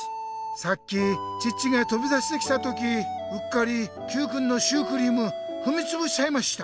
さっきチッチがとび出してきた時うっかりＱくんのシュークリームふみつぶしちゃいました。